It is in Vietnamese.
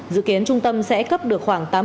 dự kiến trung tâm sẽ cấp được khoản